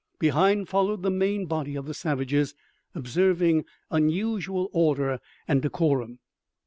Behind followed the main body of the savages, observing unusual order and decorum.